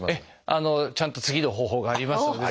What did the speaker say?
ちゃんと次の方法がありますので。